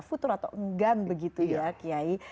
futur atau enggak begitu ya kyai